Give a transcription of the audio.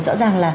rõ ràng là